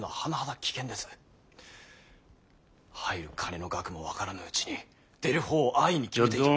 入る金の額も分からぬうちに出る方を安易に決めていては。